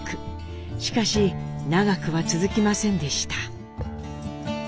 しかし長くは続きませんでした。